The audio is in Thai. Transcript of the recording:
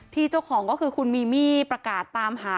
ที่เจ้าของคุณมีมี่ประกาศตามหา